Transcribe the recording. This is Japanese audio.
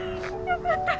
よかった。